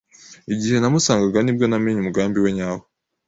Igihe namusangaga ni bwo namenye umugambi we nyawo.